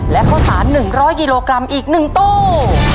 และข้าวสาร๑๐๐กิโลกรัมอีก๑ตู้